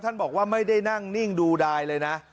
บอกว่าไม่ได้นั่งนิ่งดูดายเลยนะ